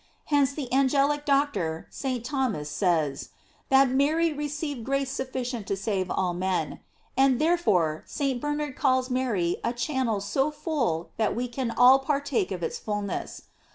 Hence the Angelic Doctor, St. Thomas, says, that Mary received grace suffi cient to save all men ; and therefore St. Bernard calls Mary a channel so full that we can all partake of its fulness.